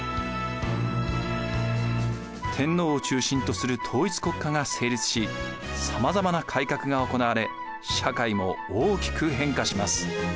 天皇を中心とする統一国家が成立しさまざまな改革が行われ社会も大きく変化します。